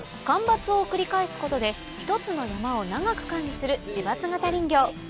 間伐を繰り返すことで一つの山を長く管理する自伐型林業。